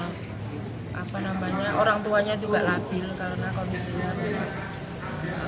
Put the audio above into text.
apa namanya orang tuanya juga labil karena kondisinya tidak